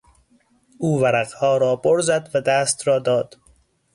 او ورقها را بر زد و دست را داد.